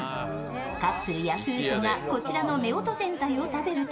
カップルや夫婦がこちらの夫婦善哉を食べると